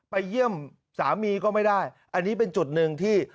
เยี่ยมสามีก็ไม่ได้อันนี้เป็นจุดหนึ่งที่